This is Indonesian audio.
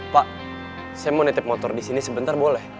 pak saya mau nitip motor disini sebentar boleh